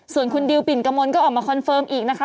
ส่วนคุณดิวปิ่นกระมนก็ออกมาคอนเฟิร์มอีกนะคะ